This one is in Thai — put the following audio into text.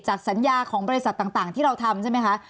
สัญญาของบริษัทต่างที่เราทำใช่ไหมคะ